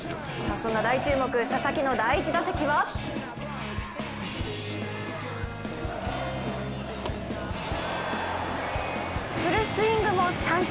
そんな大注目、佐々木の第１打席はフルスイングも三振。